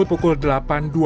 apa itu yang berada